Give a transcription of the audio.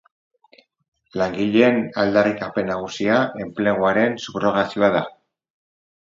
Langileen aldarrikapen nagusia enpleguaren subrogazioa da.